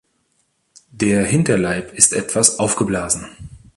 Der Hinterleib ist etwas aufgeblasen.